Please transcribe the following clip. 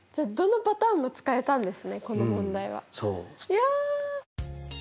いや。